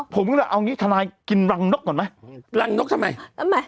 ผมก็เลยเอางี้ทนายกินรังนกก่อนไหมรังนกทำไมทำไม